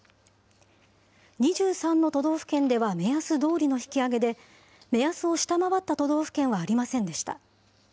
２３の都道府県では目安どおりの引き上げで、目安を下回った都道府県はありませんでした。